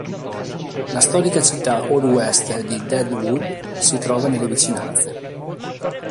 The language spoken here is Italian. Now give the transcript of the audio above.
La storica città "Old West" di Deadwood si trova nelle vicinanze.